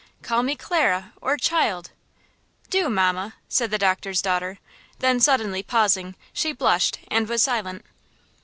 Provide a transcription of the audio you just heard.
Call me 'Clara' or 'child'–do, mamma," said the doctor's daughter, then suddenly pausing, she blushed and was silent.